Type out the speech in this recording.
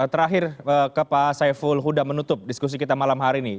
terakhir ke pak saiful huda menutup diskusi kita malam hari ini